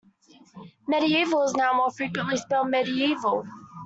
Mediaeval is now more frequently spelled medieval.